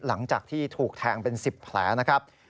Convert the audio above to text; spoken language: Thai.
หลังจากที่ถูกแทงเป็น๑๐แผลนะครับ